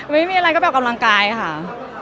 ไม่มีอะไรก็ไปออกกำลังกายค่ะ